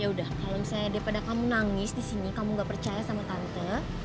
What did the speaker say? ya udah kalau misalnya daripada kamu nangis di sini kamu gak percaya sama tante